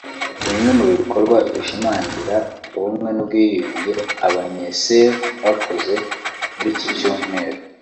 Bimwe mu bikorwa bishimangira Ubumwe n’Ubwiyunge Abanye-Save bakoze muri iki cyumweru